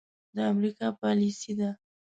د امريکا پاليسي ده.